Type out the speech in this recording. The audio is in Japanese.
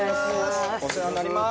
お世話になります。